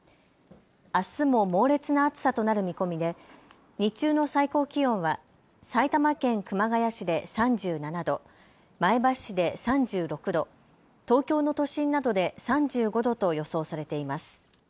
あすも猛烈な暑さとなる見込みで日中の最高気温は埼玉県熊谷市で３７度、前橋市で３６度、東京の都心などで３５度と予想されています。